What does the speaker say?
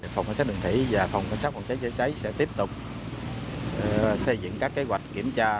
phòng cảnh sát đường thủy và phòng cảnh sát phòng cháy chữa cháy sẽ tiếp tục xây dựng các kế hoạch kiểm tra